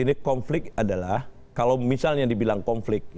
ini konflik adalah kalau misalnya dibilang konflik